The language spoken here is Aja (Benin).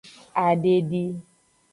Adedi.